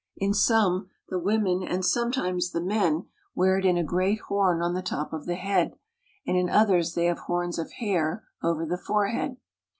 In some, the women and sometimes the men wear it in a great horn on the top of the head, and in others they have horns of hair over the forehead.